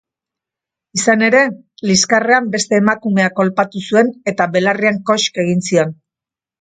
Izan ere, liskarrean beste emakumea kolpatu zuen eta belarrian kosk egin zion.